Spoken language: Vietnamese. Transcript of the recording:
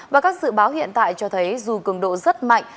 và các dự báo hiện tại cho thấy dù cường độ rất mạnh